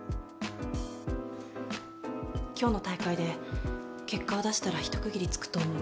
今日の大会で結果を出したら一区切りつくと思う。